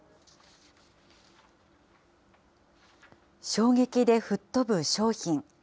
衝撃で吹っ飛ぶ商品。